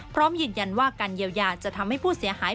พร้อมยืนยันว่าการเยียวยาจะทำให้ผู้เสียหาย